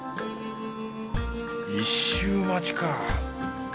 １周待ちか